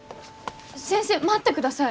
先生待ってください。